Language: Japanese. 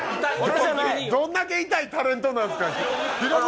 どんだけ痛いタレントなんですか。